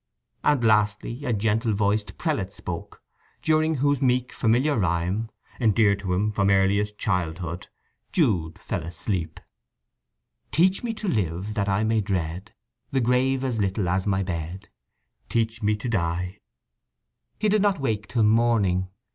And lastly a gentle voiced prelate spoke, during whose meek, familiar rhyme, endeared to him from earliest childhood, Jude fell asleep: Teach me to live, that I may dread The grave as little as my bed. Teach me to die… He did not wake till morning.